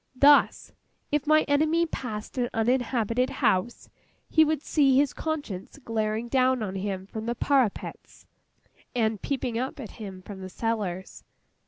Thus, if my enemy passed an uninhabited house, he would see his conscience glaring down on him from the parapets, and peeping up at him from the cellars.